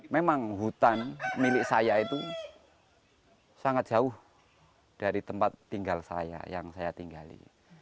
memang hutan milik saya itu sangat jauh dari tempat tinggal saya yang saya tinggali